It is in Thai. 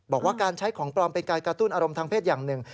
บอกว่าการใช้ของปลอมเป็นการกระตุ้นอารมณ์ทางเพศอย่างหนึ่ง